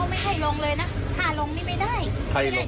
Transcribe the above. ร้านหลายโงวไปไม่ให้ลง